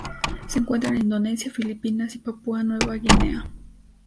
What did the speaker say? Se encuentran en Indonesia, Filipinas y Papúa Nueva Guinea.